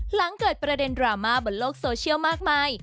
หลังเกิดประเด็นดราม่าบนโลกโซเชียลมากมาย